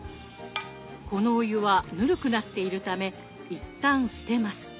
このお湯はぬるくなっているため一旦捨てます。